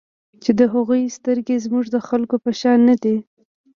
چې د هغوی سترګې زموږ د خلکو په شان نه دي.